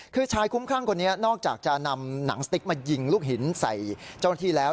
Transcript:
คือชายคุ้มครั่งคนนี้นอกจากจะนำหนังสติ๊กมายิงลูกหินใส่เจ้าหน้าที่แล้ว